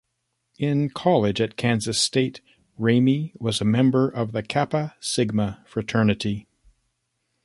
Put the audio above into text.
In college at Kansas State, Ramey was a member of the Kappa Sigma Fraternity.